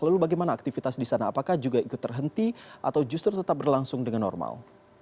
lalu bagaimana aktivitas di sana apakah juga ikut terhenti atau justru tetap berlangsung dengan normal